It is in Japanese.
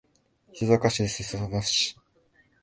静岡県裾野市